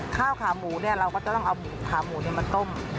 ข้าวขาหมูเนี่ยเราก็จะต้องเอาขาหมูมาต้ม